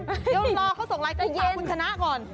เดี๋ยวรอเขาส่งไลค์คุณขาวคุณคณะก่อน